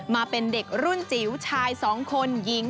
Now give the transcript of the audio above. มาเป็นเด็กรุ่นจิ๋วชาย๒คนหญิง